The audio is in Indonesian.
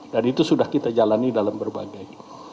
dan itu sudah kita jalani dalam berbagai